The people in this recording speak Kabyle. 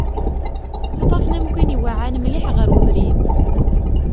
Ttaṭṭafen amkan iweɛɛan mliḥ ɣer ubrid.